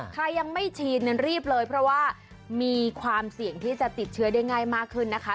ใครยังไม่ฉีดนั้นรีบเลยเพราะว่ามีความเสี่ยงที่จะติดเชื้อได้ง่ายมากขึ้นนะคะ